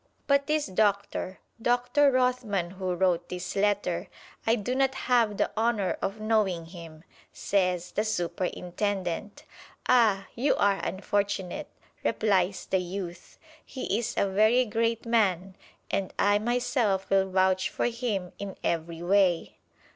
"But this Doctor Doctor Rothman who wrote this letter I do not have the honor of knowing him," says the Superintendent. "Ah, you are unfortunate," replies the youth; "he is a very great man, and I myself will vouch for him in every way."